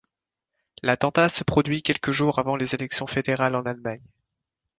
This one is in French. L'attentat se produit quelques jours avant les élections fédérales en Allemagne.